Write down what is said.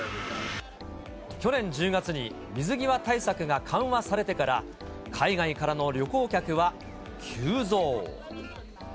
去年１０月に、水際対策が緩和されてから、海外からの旅行客は急増。